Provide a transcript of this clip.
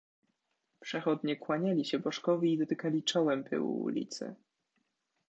Przechodnie kłaniali się bożkowi i dotykali czołem pyłu ulicy.